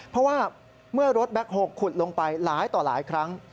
เพราะว่าเมื่อรถแบ็คโฮลขุดลงไปหลายต่อหลายครั้ง